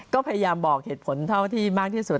ก็พยายามบอกเหตุผลเท่าที่มากที่สุด